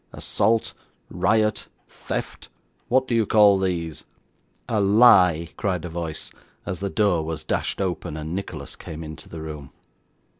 Assault, riot, theft, what do you call these?' 'A lie!' cried a voice, as the door was dashed open, and Nicholas came into the room.